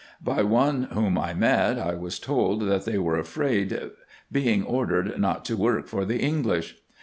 By one whom I met, I was told, that they were afraid, being ordered not to work for the English.